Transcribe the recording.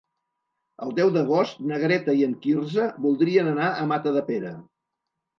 El deu d'agost na Greta i en Quirze voldrien anar a Matadepera.